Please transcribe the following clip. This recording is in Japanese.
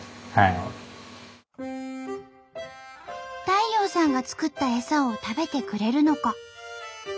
太陽さんが作ったエサを食べてくれるのか。